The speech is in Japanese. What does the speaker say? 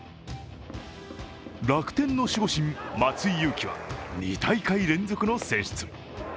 楽天の守護神・松井裕樹は２大会連続の選出。